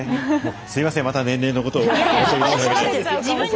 すいません、また年齢のことを申し上げまして。